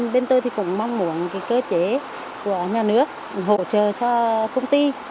bên tôi thì cũng mong muốn cơ chế của nhà nước hỗ trợ cho công ty